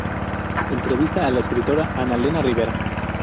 Entrevista a la Escritora Ana Lena Rivera.